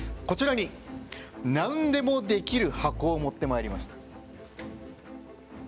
こちらに、なんでもできる箱を持ってまいりました。